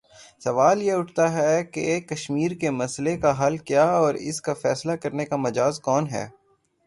سوال یہ اٹھتا کہ کشمیر کے مسئلے کا حل کیا اور اس کا فیصلہ کرنے کا مجاز کون ہے؟